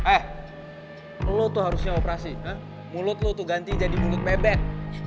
eh lo tuh harusnya operasi mulut lo tuh ganti jadi mulut bebek